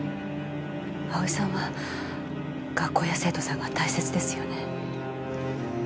葵さんは学校や生徒さんが大切ですよね？